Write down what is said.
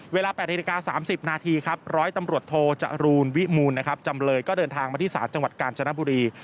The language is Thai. เวลา๘๓๐นร้อยตำรวจโทรจรูนวิมูลจำเลยก็เดินทางมาที่สารจังหวัดกาญจนบุรี